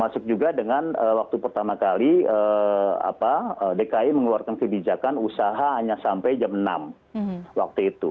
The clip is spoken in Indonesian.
masuk juga dengan waktu pertama kali dki mengeluarkan kebijakan usaha hanya sampai jam enam waktu itu